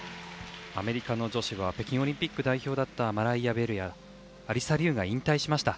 アメリカの女子は北京オリンピック代表だったマライア・ベルやアリサ・リウが引退しました。